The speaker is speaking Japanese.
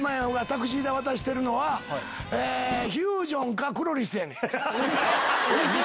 タクシー代渡してるのはフュージョンかクロリスやねん。